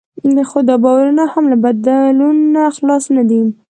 خو دا باورونه هم له بدلون نه خلاص نه دي.